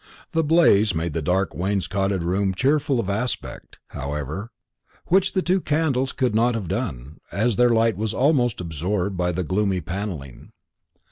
The blaze made the dark wainscoted room cheerful of aspect, however, which the two candles could not have done, as their light was almost absorbed by the gloomy panelling.